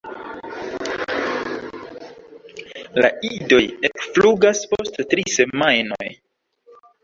La idoj ekflugas post tri semajnoj.